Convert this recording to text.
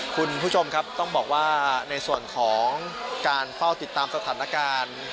คุณผู้ชมครับต้องบอกว่าในส่วนของการเฝ้าติดตามสถานการณ์